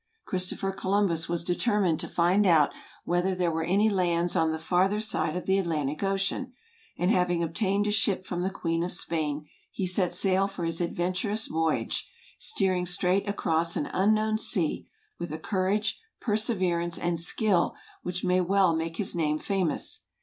Christopher Columbus was determined to find out whether there were any lands on the farther side of the Atlantic ocean ; and having obtained a ship from the Queen of Spain, he set sail for his adventurous voyage ; steering straight across an unknown sea, with a courage, perseverance, and skill, which may well make his name famous.